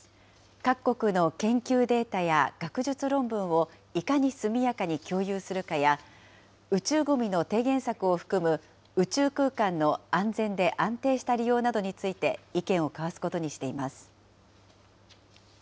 各国の研究データや学術論文をいかに速やかに共有するかや、宇宙ごみの低減策を含む宇宙空間の安全で安定した利用などについて、意見を交わすことにしています。